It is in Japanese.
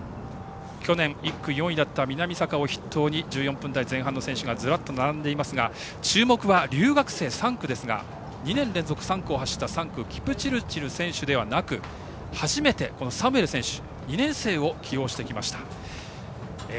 去年、１区４位だった南坂を筆頭に１４分台前半の選手がずらっと並んでいますが注目は留学生、３区ですが２年連続３区を走ったキプチルチル選手ではなく初めてサムエル選手、２年生を起用してきました。